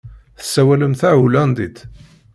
Tessawalem tahulandit?